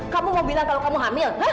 kamu mau bilang kalau kamu hamil